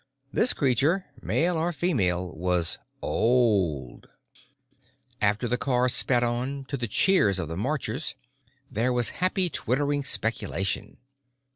This creature, male or female, was old. After the car sped on, to the cheers of the marchers, there was happy twittering speculation.